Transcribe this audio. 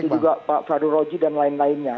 begitu juga pak fadul roji dan lain lainnya